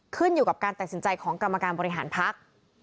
ขึ้นอยู่กับการตัดสินใจของกรรมการบริหารพัก